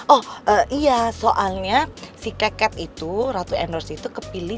oh iya soalnya si keket itu ratu endorse itu kepilih